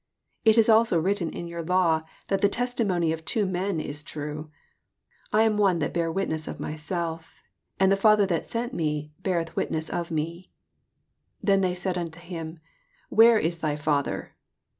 17 It is also written in your law, that the testimony of two men is true. 18 I am one that bear witness of myself, and the Father that sent me beareth witness of me. 19 Then said they unto him. Where is thy Father